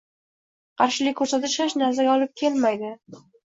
Qarshilik ko‘rsatish hech narsaga olib kelmaydi.